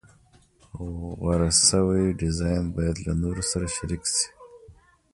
غوره شوی ډیزاین باید له نورو سره شریک شي.